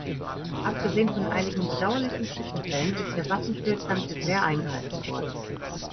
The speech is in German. Abgesehen von einigen bedauerlichen Zwischenfällen ist der Waffenstillstand bisher eingehalten worden.